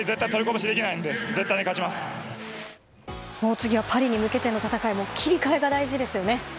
次はパリに向けての戦い切り替えが大事ですね。